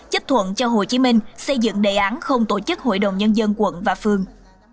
chấp thuận cho hồ chí minh xây dựng đề án không tổ chức hội đồng nhân dân quận và phường